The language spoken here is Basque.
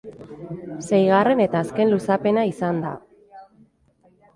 Seigarren eta azken luzapena izan da.